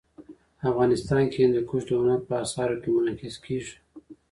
افغانستان کې هندوکش د هنر په اثار کې منعکس کېږي.